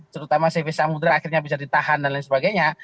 terutama cv samudera akhirnya bisa ditahan dan lain sebagainya